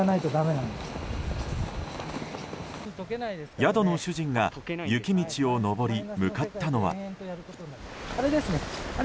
宿の主人が雪道を上り、向かったのは。